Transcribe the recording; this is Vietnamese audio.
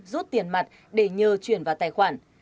rút tiền mặt để nhờ chuyển vào tài khoản